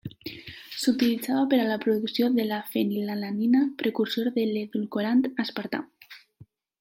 S'utilitzava per a la producció de la fenilalanina, precursor de l'edulcorant aspartam.